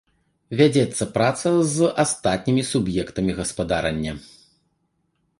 Вядзецца праца з астатнімі суб'ектамі гаспадарання.